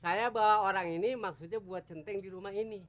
saya bawa orang ini maksudnya buat centeng di rumah ini